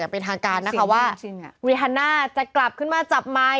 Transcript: อย่างเป็นทางการนะคะว่ารีฮันน่าจะกลับขึ้นมาจับไมค์